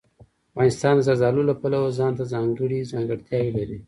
افغانستان د زردالو له پلوه ځانته ځانګړې ځانګړتیاوې لري.